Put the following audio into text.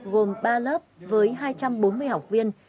gồm ba lớp với hai trăm bốn mươi học viên